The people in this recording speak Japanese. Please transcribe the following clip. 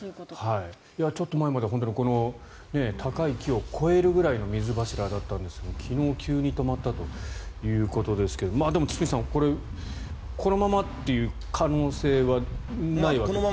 ちょっと前までこの高い木を越えるぐらいの水柱だったんですけど昨日急に止まったということですがでも、堤さんこのままという可能性はないわけですからね。